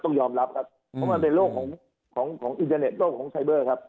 ต้องยอมรับครับเพราะมันเป็นโลกของของอินเทอร์เน็ตโลกของไซเบอร์ครับ